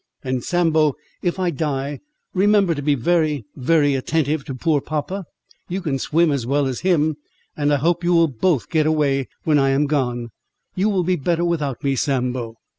"—"And Sambo, if I die, remember to be very, very attentive to poor papa; you can swim as well as him, and I hope you will both get away when I am gone."—"You will be better without me, Sambo."